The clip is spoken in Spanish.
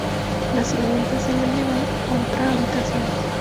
Las sirvientas se la llevan a otra habitación.